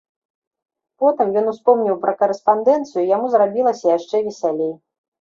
Потым ён успомніў пра карэспандэнцыю, і яму зрабілася яшчэ весялей.